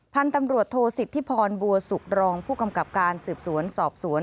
พันธุ์ตำรวจโทษสิทธิพรบัวสุกรองผู้กำกับการสืบสวนสอบสวน